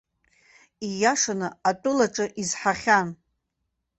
Ииашаны, атәылаҿы изҳахьан.